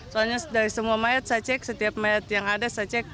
soalnya dari semua mayat saya cek setiap mayat yang ada saya cek